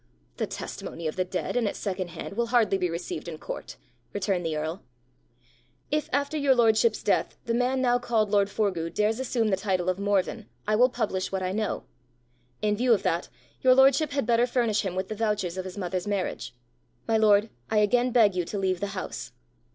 "The testimony of the dead, and at second hand, will hardly be received in court!" returned the earl. "If after your lordship's death, the man now called lord Forgue dares assume the title of Morven, I will publish what I know. In view of that, your lordship had better furnish him with the vouchers of his mother's marriage. My lord, I again beg you to leave the house."